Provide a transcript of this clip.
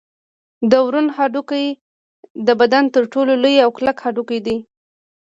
د ورون هډوکی د بدن تر ټولو لوی او کلک هډوکی دی